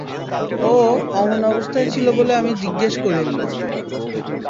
ও অমন অবস্থায় ছিল বলে আমি জিজ্ঞেস করিনি।